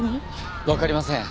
わかりません。